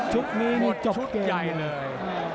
หมดชุบใหญ่เลย